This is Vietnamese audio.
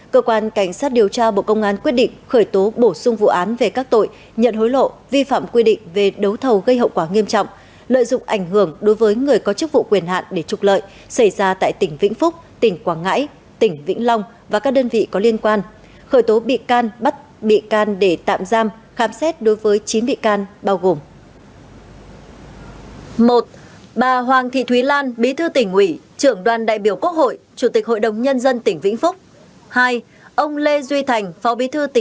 cơ quan cảnh sát điều tra bộ công an quyết định khởi tố bổ sung vụ án về các tội nhận hối lộ vi phạm quy định về đấu thầu gây hậu quả nghiêm trọng lợi dụng ảnh hưởng đối với người có chức vụ quyền hạn để trục lợi xảy ra tại tỉnh vĩnh phúc tỉnh quảng ngãi tỉnh vĩnh long và các đơn vị có liên quan khởi tố bị can bắt bị can để tạm giam khám xét đối với chín bị can bao gồm